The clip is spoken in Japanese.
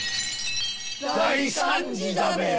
大惨事だべ！